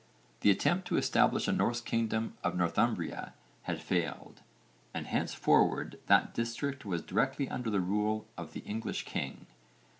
The attempt to establish a Norse kingdom of Northumbria had failed and henceforward that district was directly under the rule of the English king.